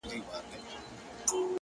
لكه د دوبي باران للمه د پټي ورانوي.!